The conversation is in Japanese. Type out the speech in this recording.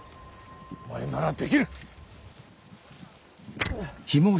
お前ならできる。